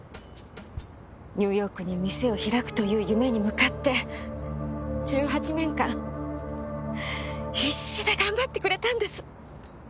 ニューヨークに店を開くという夢に向かって１８年間必死で頑張ってくれたんです。